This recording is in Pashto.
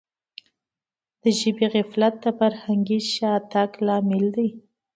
د ژبي غفلت د فرهنګي شاتګ لامل دی.